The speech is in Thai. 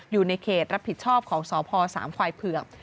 อยู่ในเขตรับผิดชอบของสพสามควายเผือก